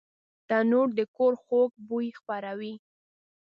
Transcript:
تنور د کور خوږ بوی خپروي